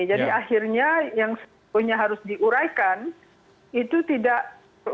jadi akhirnya yang sebutnya harus diuraikan itu tidak berurai secara berat